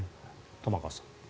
玉川さん。